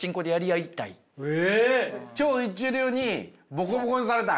超一流にボコボコにされたい。